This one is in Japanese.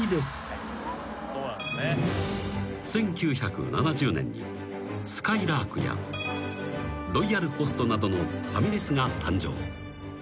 ［１９７０年にすかいらーくやロイヤルホストなどのファミレスが誕生］